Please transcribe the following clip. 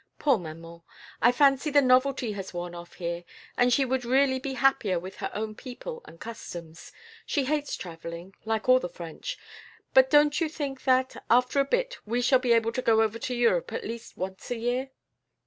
Poor maman! I fancy the novelty has worn off here, and she would really be happier with her own people and customs. She hates traveling, like all the French; but don't you think that, after a bit we shall be able to go over to Europe at least once a year?"